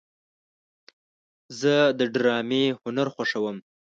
زه د ډرامې هنر خوښوم.